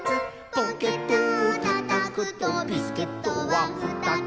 「ポケットをたたくとビスケットはふたつ」